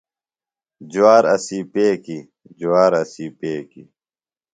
جوار اسی پیکِیۡ ، جوار اسی پیکِیۡ